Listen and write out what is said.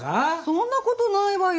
そんなことないわよ。